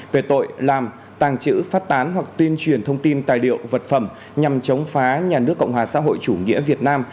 về tội làm tàng trữ phát tán hoặc tuyên truyền thông tin tài liệu vật phẩm nhằm chống phá nhà nước cộng hòa xã hội chủ nghĩa việt nam